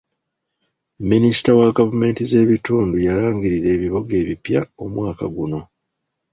Minisita wa gavumenti z'ebitundu yalangirira ebibuga ebipya omwaka guno.